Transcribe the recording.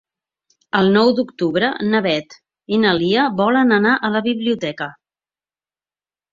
El nou d'octubre na Beth i na Lia volen anar a la biblioteca.